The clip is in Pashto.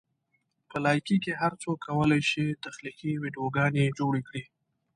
په لایکي کې هر څوک کولی شي تخلیقي ویډیوګانې جوړې کړي.